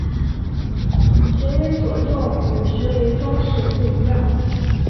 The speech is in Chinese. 学为所用与学为‘装饰’不一样